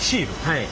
はい。